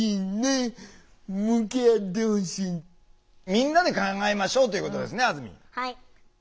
みんなで考えましょうということですねあずみん。